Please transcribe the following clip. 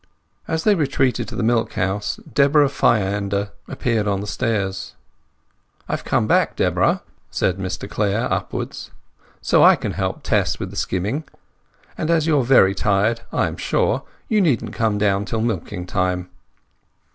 As they retreated to the milk house Deborah Fyander appeared on the stairs. "I have come back, Deborah," said Mr Clare, upwards. "So I can help Tess with the skimming; and, as you are very tired, I am sure, you needn't come down till milking time."